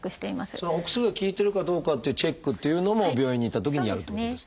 そのお薬が効いてるかどうかっていうチェックっていうのも病院に行ったときにやるってことですか？